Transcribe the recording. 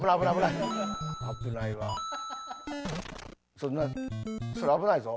それそれ危ないぞ。